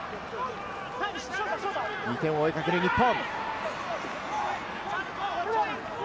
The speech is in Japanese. ２点を追いかける日本。